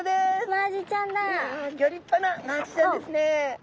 ギョ立派なマアジちゃんですね。